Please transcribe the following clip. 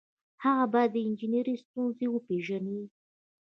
هغه باید د انجنیری ستونزې وپيژني.